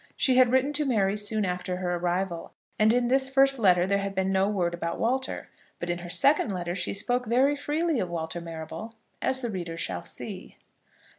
She had written to Mary soon after her arrival, and in this first letter there had been no word about Walter; but in her second letter she spoke very freely of Walter Marrable, as the reader shall see.